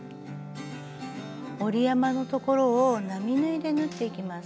折り山の所を並縫いで縫っていきます。